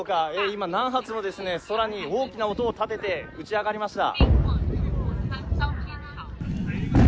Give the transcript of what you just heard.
今、何発も空に大きな音を立てて打ち上がりました。